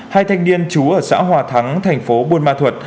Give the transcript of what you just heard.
hai thanh niên trú ở xã hòa thắng thành phố buôn ma thuật